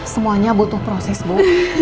semuanya butuh proses bu